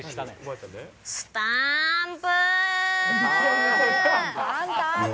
スタンプー。